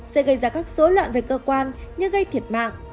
sẽ gây ra các dối loạn về cơ quan như gây thiệt mạng